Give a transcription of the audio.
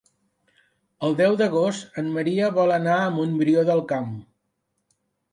El deu d'agost en Maria vol anar a Montbrió del Camp.